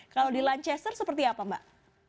kalau di manchester seperti apa mbak